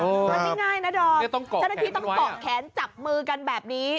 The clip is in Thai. สักทีง่ายนะร่วงอันนี้ต้องกรอกแขนจับมือกันแบบนี้